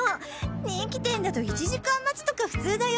人気店だと１時間待ちとか普通だよ！